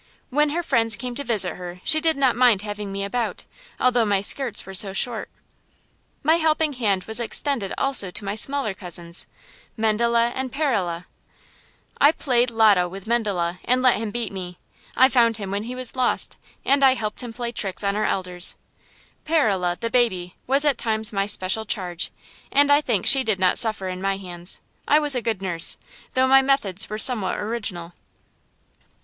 When her friends came to visit her she did not mind having me about, although my skirts were so short. My helping hand was extended also to my smaller cousins, Mendele and Perele. I played lotto with Mendele and let him beat me; I found him when he was lost, and I helped him play tricks on our elders. Perele, the baby, was at times my special charge, and I think she did not suffer in my hands. I was a good nurse, though my methods were somewhat original.